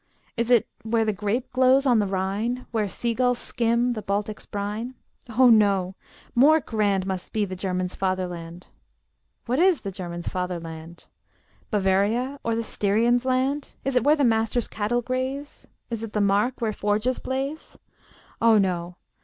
Is it where the grape glows on the Rhine? Where sea gulls skim the Baltic's brine? Oh no! more grand Must be the German's fatherland! What is the German's fatherland? Bavaria, or the Styrian's land? Is it where the Master's cattle graze? Is it the Mark where forges blaze? Oh no!